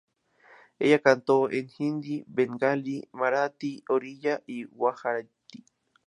Ella cantó en hindi, bengalí, marathi, oriya y gujarati.